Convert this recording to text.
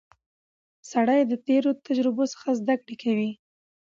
سړی د تېرو تجربو څخه زده کړه کوي